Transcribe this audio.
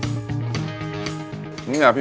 น้ำจีนเนี่ย๓น้ำยาอยู่ข้างหน้าเลยมี